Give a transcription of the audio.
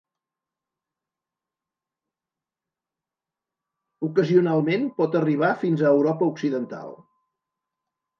Ocasionalment pot arribar fins a Europa Occidental.